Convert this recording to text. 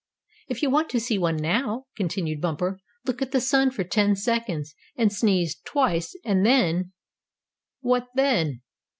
"If you want to see one now," continued Bumper, "look at the sun for ten seconds, and sneeze twice, and then " "What then?"